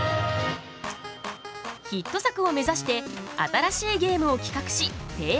ヒット作を目指して新しいゲームを企画し提案。